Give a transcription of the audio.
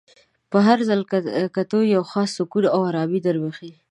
په هر ځل کتو یو خاص سکون او ارامي در بخښي.